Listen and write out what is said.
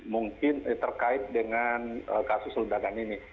mungkin terkait dengan kasus ledakan ini